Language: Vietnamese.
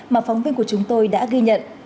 mà phóng viên của chúng tôi đã ghi nhận